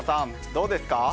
どうですか？